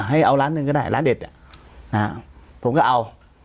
ให้เอาล้านหนึ่งก็ได้ร้านเด็ดผมก็เอา